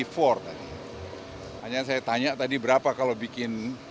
hanya saya tanya tadi berapa kalau bikin